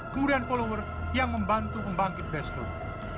kemudian follower yang membantu membangkit baseload